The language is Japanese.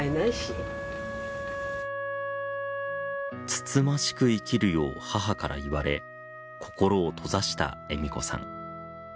つつましく生きるよう母から言われ心を閉ざした恵美子さん。